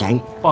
pak ustaz masuk